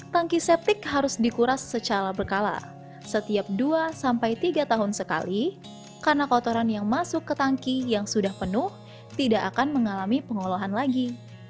tangki septik harus dikuras secara berkala setiap dua sampai tiga tahun sekali karena kotoran yang masuk ke tangki yang sudah penuh tidak akan mengalami pengolahan lagi